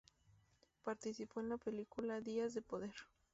Participó en la película "Días de poder".